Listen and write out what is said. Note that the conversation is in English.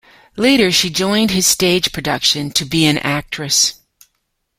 Later she joined his stage production to be an actress.